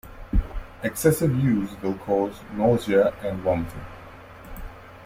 Excessive use will cause nausea and vomiting.